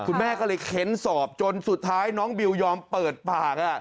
คุณแม่ก็เลยเค้นสอบจนสุดท้ายน้องบิวยอมเปิดปาก